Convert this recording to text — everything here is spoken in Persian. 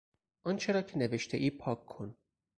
آنچه را که نوشتهای پاک کن.